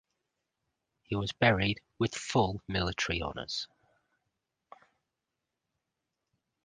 His was buried with full military honours.